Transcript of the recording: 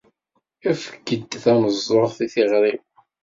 Efk-d tameẓẓuɣt i tiɣri-w!